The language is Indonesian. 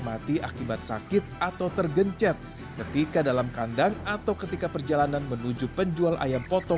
hanya yang sudah mereka kenal dan bisa menjaga rahasia